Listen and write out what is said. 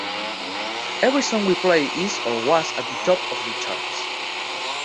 Every song we play is or was at the top of the charts.